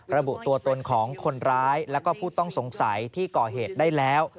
ระบุตัวตนของคนร้ายแล้วก็ผู้ต้องสงสัยที่ก่อเหตุได้แล้ว